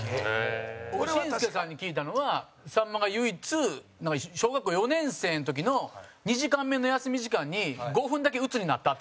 陣内：紳助さんに聞いたのはさんまが唯一小学校４年生の時の２時間目の休み時間に５分だけ、うつになったって。